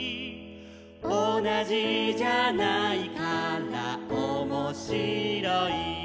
「おなじじゃないからおもしろい」